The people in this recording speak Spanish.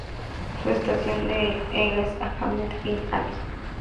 Su estadio es el Ahmed bin Ali.